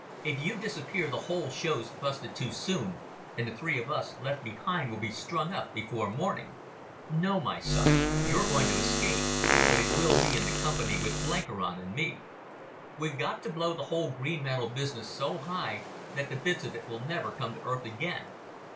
If you disappear the whole show's busted too soon, and the three of us left behind will be strung up before morning ... No, my son. You're going to escape, but it will be in company with Blenkiron and me. We've got to blow the whole Greenmantle business so high that the bits of it will never come to earth again